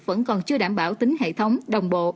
vẫn còn chưa đảm bảo tính hệ thống đồng bộ